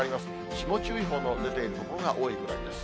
霜注意報の出ている所が多いぐらいです。